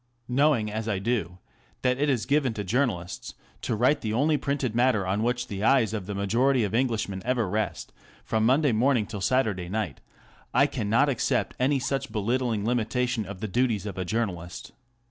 Knowing as I do that it is given to journalists to write the only printed matter on which the eyes of the majority of Englishmen ever rest from Monday morning till Saturday night, I cannot accept any such be littling limitation of the duties of a journalist.